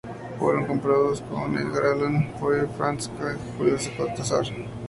Fueron comparados con Edgar Allan Poe, Franz Kafka o Julio Cortázar.